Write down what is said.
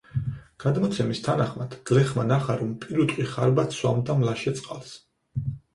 გადმოცემის თანახმად გლეხმა ნახა, რომ პირუტყვი ხარბად სვამდა მლაშე წყალს.